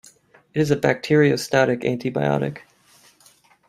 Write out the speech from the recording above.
It is a bacteriostatic antibiotic.